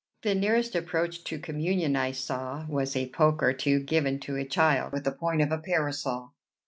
The nearest approach to communion I saw was a poke or two given to a child with the point of a parasol.